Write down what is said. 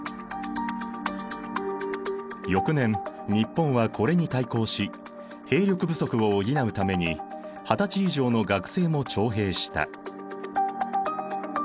翌年日本はこれに対抗し兵力不足を補うために二十歳以上の学生も徴兵した。